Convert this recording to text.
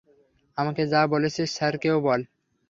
আমাকে যা বলেছিস স্যারকেও বল।